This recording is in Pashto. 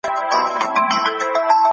کله باید د سهار چای په ارامه توګه وڅښو؟